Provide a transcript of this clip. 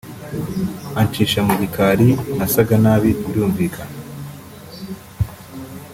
ancisha mu gikari nasaga nabi birumvikana